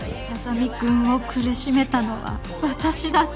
莇君を苦しめたのは私だった。